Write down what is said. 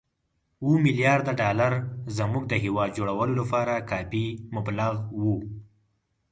اووه ملیارده ډالر زموږ د هېواد جوړولو لپاره کافي مبلغ وو.